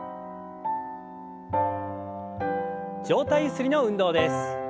上体ゆすりの運動です。